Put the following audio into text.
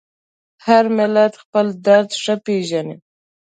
هر ملت خپل درد ښه پېژني.